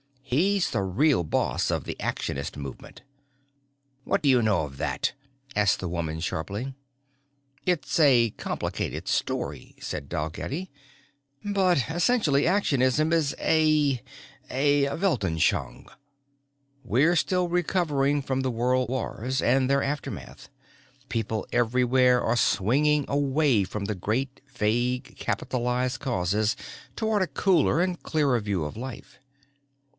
He's the real boss of the Actionist movement." "What do you know of that?" asked the woman sharply. "It's a complicated story," said Dalgetty, "but essentially Actionism is a a Weltanschauung. We're still recovering from the World Wars and their aftermath. People everywhere are swinging away from great vague capitalized causes toward a cooler and clearer view of life.